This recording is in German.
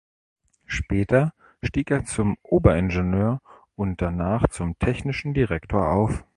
Später stieg er zum Oberingenieur und danach zum technischen Direktor auf.